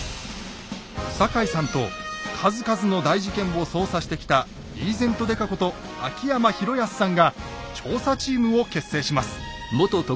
坂井さんと数々の大事件を捜査してきたリーゼント刑事こと秋山博康さんが調査チームを結成します。